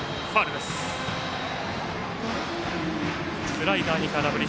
スライダーに空振り。